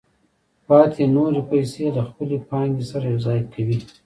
پاتې نورې پیسې له خپلې پانګې سره یوځای کوي